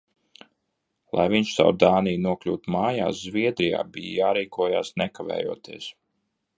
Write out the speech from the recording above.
Lai viņš caur Dāniju nokļūtu mājās Zviedrijā, bija jārīkojas nekavējoties.